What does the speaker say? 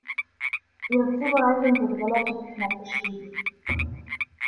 Ihre Zubereitung wird relativ knapp beschrieben.